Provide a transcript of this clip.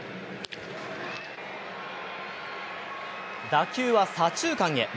打球は左中間へ。